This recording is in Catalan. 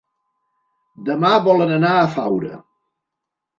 Demà volen anar a Faura.